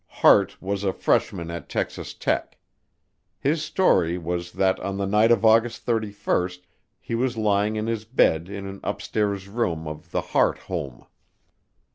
Hart was a freshman at Texas Tech. His story was that on the night of August 31 he was lying in his bed in an upstairs room of the Hart home.